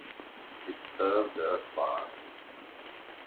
It served their class.